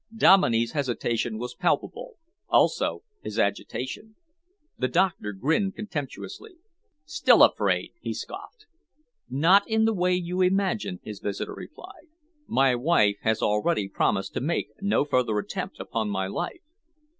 Dominey's hesitation was palpable, also his agitation. The doctor grinned contemptuously. "Still afraid!" he scoffed. "Not in the way you imagine," his visitor replied. "My wife has already promised to make no further attempt upon my life."